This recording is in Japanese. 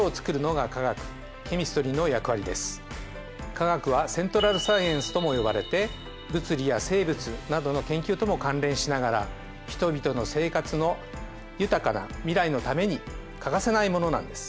化学はＣｅｎｔｒａｌＳｃｉｅｎｃｅとも呼ばれて物理や生物などの研究とも関連しながら人々の生活の豊かな未来のために欠かせないものなんです。